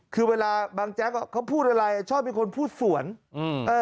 คือเวลาบางแจ๊กเขาพูดอะไรชอบมีคนพูดส่วนอืม